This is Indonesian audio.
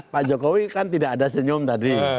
pak jokowi kan tidak ada senyum tadi